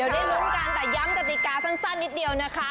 เดี๋ยวได้ลุ้นกันแต่ย้ำกติกาสั้นนิดเดียวนะคะ